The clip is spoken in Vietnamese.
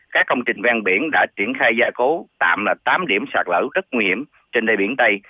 các công trình ven biển đã triển khai gia cố tạm là tám điểm sạt lở rất nguy hiểm trên đầy biển tây